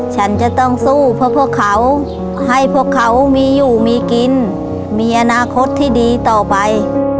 ฉันจะต้องสู้เพื่อพวกเขาให้พวกเขามีอยู่มีกินมีอนาคตที่ดีต่อไป